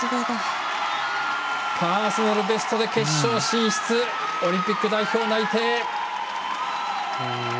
パーソナルベストで決勝進出オリンピック代表内定。